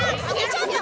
ちょっと！